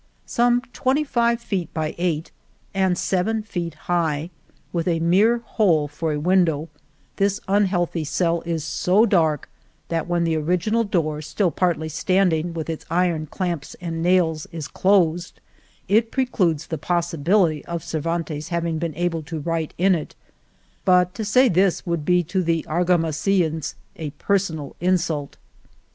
Some twenty five feet by eight, and seven feet high, with a mere hole for window, this unhealthy cell is so dark that when the orig inal door, still partly standing, with its iron clamps and nails, is closed, it precludes the possibility of Cervantes having been able to write in it. But to say this would be to the Argamasillans a personal insult.